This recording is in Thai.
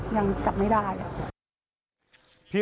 ยังหยับไม่ได้